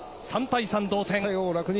３対３同点。